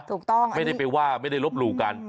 ถูกต้องไม่ได้ไปว่าไม่ได้ลบหลู่กัน